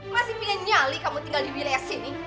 masih pengen nyali kamu tinggal di wilayah sini